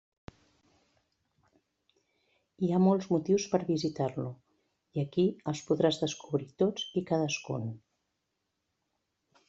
Hi ha molts motius per visitar-lo, i aquí els podràs descobrir tots i cadascun.